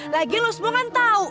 lagian lu semua kan tau